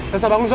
desa bangun desa